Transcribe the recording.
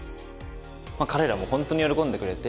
彼らも本当に喜んでくれて。